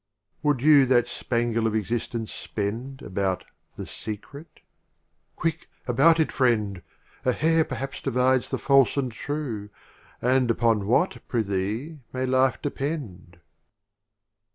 Would you that spangle of Exist ence spend About the secret — quick about it, Friend! A Hair perhaps divides the False and True — And upon what, prithee, may life depend